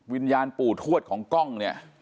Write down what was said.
วิญญาณปู่ถ่วตของกล้อง